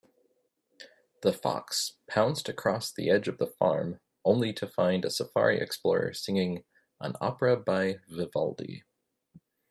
The fox pounced across the edge of the farm, only to find a safari explorer singing an opera by Vivaldi.